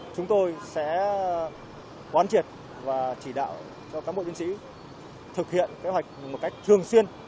chúng tôi sẽ quán triệt và chỉ đạo cho cán bộ chiến sĩ thực hiện kế hoạch một cách thường xuyên